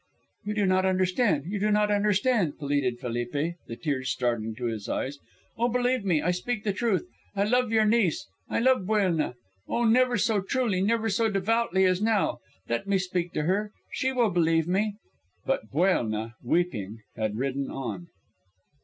"You do not understand, you do not understand," pleaded Felipe, the tears starting to his eyes. "Oh, believe me, I speak the truth. I love your niece. I love Buelna. Oh, never so truly, never so devoutly as now. Let me speak to her; she will believe me." But Buelna, weeping, had ridden on.